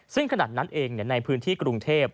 ซึ่งขนาดนั้นเองในพื้นที่กรุงเทพ